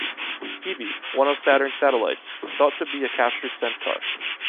Phoebe, one of Saturn’s satellites, is thought to be a captured centaur.